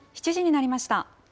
７時になりました。